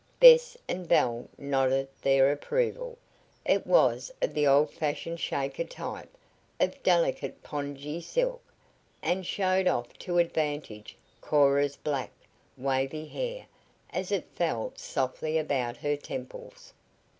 Bess and Belle nodded their approval. It was of the old fashioned Shaker type, of delicate pongee silk, and showed off to advantage Cora's black, wavy fair, as it fell softly about her temples.